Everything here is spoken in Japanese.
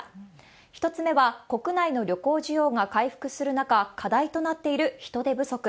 １つ目は、国内の旅行需要が回復する中、課題となっている人手不足。